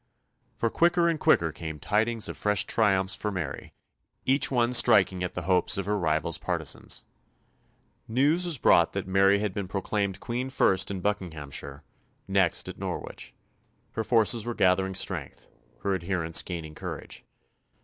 For quicker and quicker came tidings of fresh triumphs for Mary, each one striking at the hopes of her rival's partisans. News was brought that Mary had been proclaimed Queen first in Buckinghamshire; next at Norwich. Her forces were gathering strength, her adherents gaining courage.